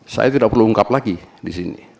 saya tidak perlu ungkap lagi di sini